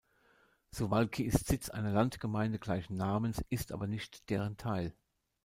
Suwałki ist Sitz einer Landgemeinde gleichen Namens, ist aber nicht deren Teil.